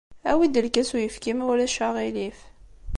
Awi-d lkas n uyefki, ma ulac aɣilif.